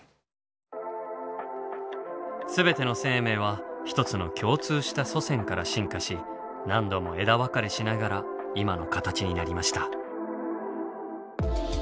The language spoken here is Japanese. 全ての生命は１つの共通した祖先から進化し何度も枝分かれしながら今の形になりました。